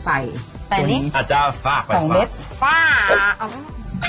ใส่อันนี้สองเม็ดฝาก